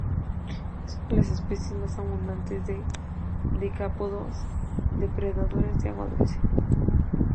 Es una de las especies más abundantes de decápodos depredadores de agua dulce.